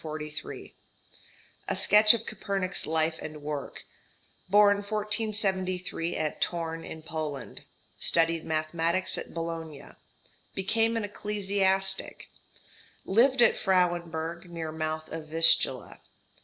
A sketch of Copernik's life and work. Born 1473 at Thorn in Poland. Studied mathematics at Bologna. Became an ecclesiastic. Lived at Frauenburg near mouth of Vistula.